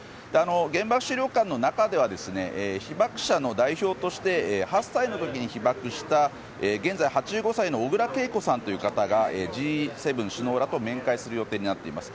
原爆資料館の中では被爆者の代表として８歳の時、被爆した現在、８５歳のオグラ・ケイコさんという方がＧ７首脳らと面会する予定になっています。